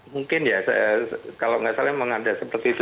mungkin ya kalau nggak salah memang ada seperti itu